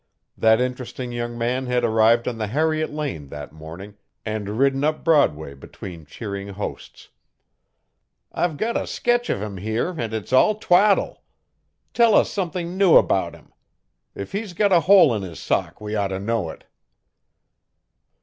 (That interesting young man had arrived on the Harriet Lane that morning and ridden up Broadway between cheering hosts.) 'I've got a sketch of him here an' it's all twaddle. Tell us something new about him. If he's got a hole in his sock we ought to know it.'